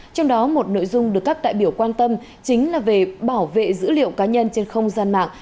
trong đó một nội dung được các đại biểu quan tâm chính là về bảo vệ dữ liệu cá nhân trên không gian mạng